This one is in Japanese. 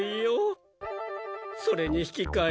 それに引きかえ